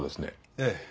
ええ。